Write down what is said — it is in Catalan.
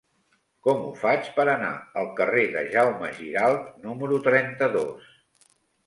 Com ho faig per anar al carrer de Jaume Giralt número trenta-dos?